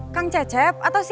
sampai jumpa lagi